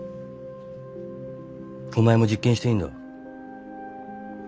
お前も実験していいんだ。